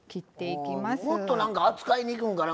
もっとなんか扱いにくいんかな